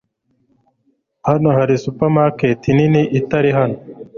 Hano hari supermarket nini itari hano.